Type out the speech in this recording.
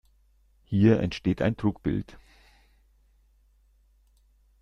Hier entsteht ein Trugbild.